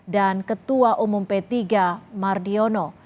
dan ketua umum p tiga mardiono